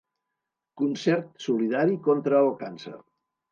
Concert solidari contra el càncer.